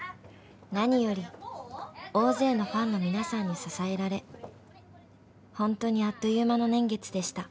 ［何より大勢のファンの皆さんに支えられホントにあっという間の年月でした］